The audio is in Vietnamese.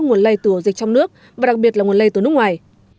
nguồn lây từ ổ dịch trong nước và đặc biệt là nguồn lây từ nước ngoài